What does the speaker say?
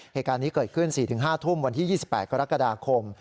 เหตุการณ์นี้เกิดขึ้น๔๕ทุ่มวันที่๒๘กรกฎาคม